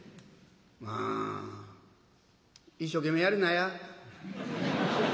「まあ一生懸命やりなや。